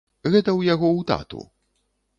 Гэта ў яго ў тату.